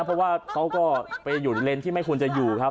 เพราะว่าเขาก็ไปอยู่ในเลนส์ที่ไม่ควรจะอยู่ครับ